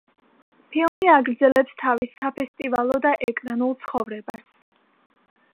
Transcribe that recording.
ფილმი აგრძელებს თავის საფესტივალო და ეკრანულ ცხოვრებას.